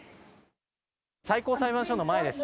最高裁判所の前です。